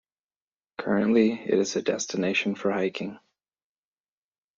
Currently, it is a destination for hiking.